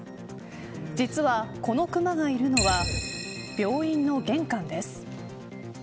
実は、このクマがいるのは病院の玄関です。